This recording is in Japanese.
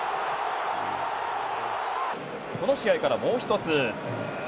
この試合からもう１つ。